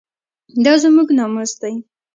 دا زموږ ناموس دی؟